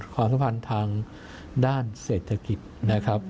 สัมพันธ์ทางด้านเศรษฐกิจนะครับ